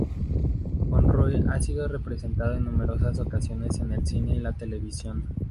Conroy ha sido representado en numerosas ocasiones en el cine y la televisión.